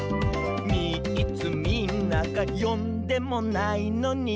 「みっつみんながよんでもないのに」